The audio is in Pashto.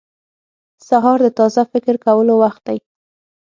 • سهار د تازه فکر کولو وخت دی.